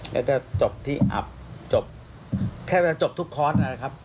แล้วก็จบที่อับจบแทบจะจบทุกคอร์สนะครับ